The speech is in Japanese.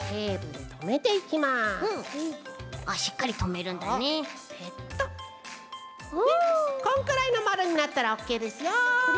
でこんくらいのまるになったらオッケーですよ。